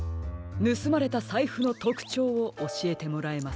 ぬすまれたさいふのとくちょうをおしえてもらえますか。